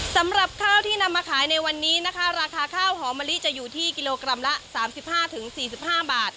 สำหรับข้าวที่นำมาขายในวันนี้นะคะราคาข้าวหอมะลิจะอยู่ที่กิโลกรัมละ๓๕๔๕บาท